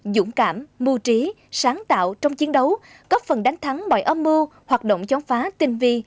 dũng cảm mưu trí sáng tạo trong chiến đấu góp phần đánh thắng mọi âm mưu hoạt động chống phá tinh vi